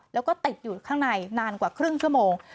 แล้วก็ติดอยู่ข้างในนานกว่าครึ่งชั่วโมง